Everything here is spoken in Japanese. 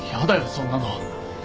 そんなの。